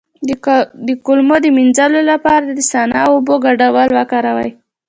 د کولمو د مینځلو لپاره د سنا او اوبو ګډول وکاروئ